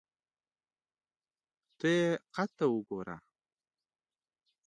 ته یې قد ته وګوره !